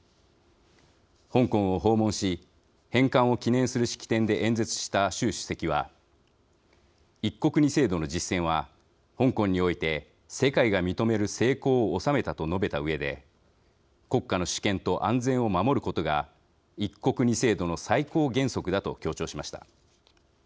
香港を訪問し返還を記念する式典で演説した習主席は「一国二制度の実践は香港において世界が認める成功を収めた」と述べたうえで「国家の主権と安全を守ることが一国二制度の最高原則だ」と強調しました。